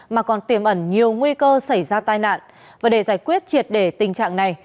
mà còn tiềm ẩn nhiều nguy cơ xảy ra tai nạn và để giải quyết triệt đề tình trạng này